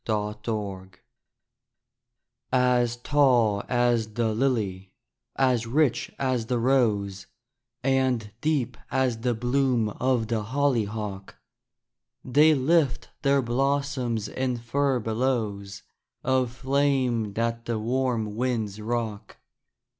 THE GLADIOLES As tall as the lily, as rich as the rose, And deep as the bloom of the hollyhock, They lift their blossoms in furbelows Of flame that the warm winds rock.